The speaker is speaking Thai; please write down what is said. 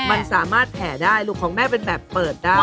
มันสามารถแผ่ได้ลูกของแม่เป็นแบบเปิดได้